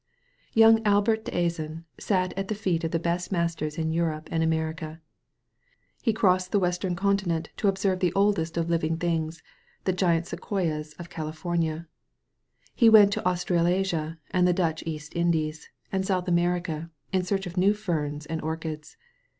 Young Albert d'Azan sat at the feet of the best masters in Europe and America. He crossed the western continent to observe the oldest of living things, the giant Sequoias of Calif omia. He went to Australasia and the Dutch East Indies and South America in search of new ferns and orchids.